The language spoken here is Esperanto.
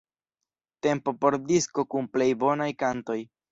Tempo por 'disko kun plej bonaj kantoj'.